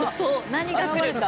何か来るんだ。